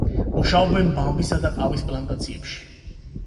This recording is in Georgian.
მუშაობენ ბამბისა და ყავის პლანტაციებში.